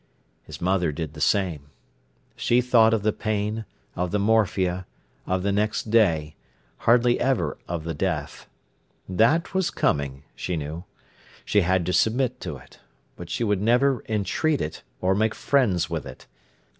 His mother did the same. She thought of the pain, of the morphia, of the next day; hardly ever of the death. That was coming, she knew. She had to submit to it. But she would never entreat it or make friends with it.